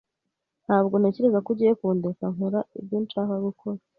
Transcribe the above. Ntabwo ntekereza ko ugiye kundeka nkora ibyo nshaka gukora.